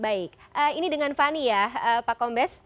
baik ini dengan fani ya pak kombes